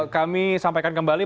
kami sampaikan kembali